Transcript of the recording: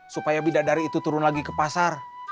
supaya bidat dari itu turun lagi ke pasar